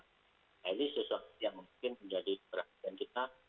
nah ini sesuatu yang mungkin menjadi perhatian kita